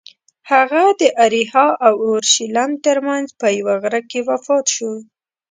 هغه د اریحا او اورشلیم ترمنځ په یوه غره کې وفات شو.